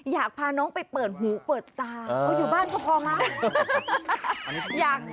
อยากพาน้องไปเปิดหูเปิดตาเขาอยู่บ้านก็พอไหม